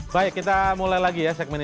baik kita mulai lagi ya segmen ini